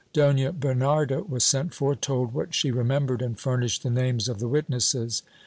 Dona Bernarda was sent for, told what she remembered and furnished the names of the witnesses.